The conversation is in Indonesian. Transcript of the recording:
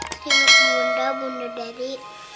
ringgit bunda bunda dabi